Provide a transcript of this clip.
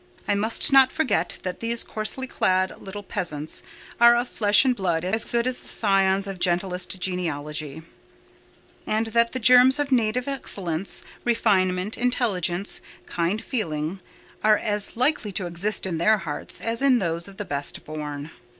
I must not forget that these coarsely clad little peasants are of flesh and blood as good as the scions of gentlest genealogy; and that the germs of native excellence, refinement, intelligence, kind feeling, are as likely to exist in their hearts as in those of the best born.